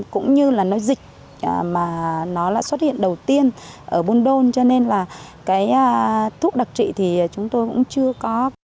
cũng như là nó dịch mà nó là xuất hiện đầu tiên ở bondol cho nên là cái thuốc đặc trị thì chúng tôi cũng chưa có